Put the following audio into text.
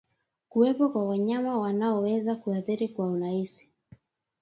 Kuwepo kwa wanyama wanaoweza kuathirika kwa urahisi